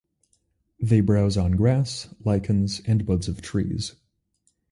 They browse on grass, lichens and buds of trees.